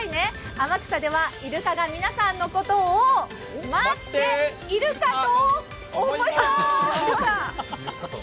天草ではイルカが皆さんのことを待ってイルカと思います。